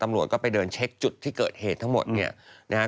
ตำรวจก็ไปเดินเช็คจุดที่เกิดเหตุทั้งหมดเนี่ยนะฮะ